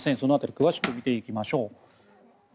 その辺り詳しく見ていきましょう。